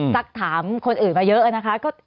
สักถามคนอื่นมาเยอะนะคะ